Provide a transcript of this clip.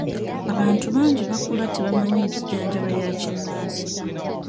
Abantu bangi bakula tebamanyi nzijanjaba ya kinnansi.